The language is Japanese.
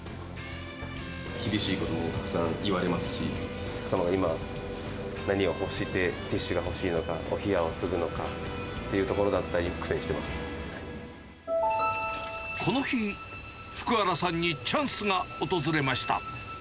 厳しいこともたくさん言われますし、お客様が今、何を欲して、ティッシュが欲しいのか、お冷を注ぐのかっていうところだったりこの日、福原さんにチャンスが訪れました。